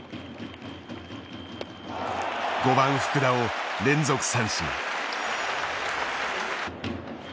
５番福田を連続三振。